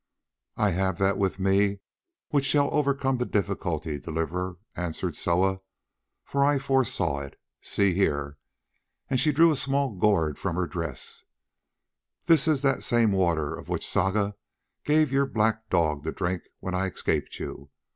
"I have that with me which shall overcome the difficulty, Deliverer," answered Soa, "for I foresaw it. See here," and she drew a small gourd from her dress, "this is that same water of which Saga gave your black dog to drink when I escaped you.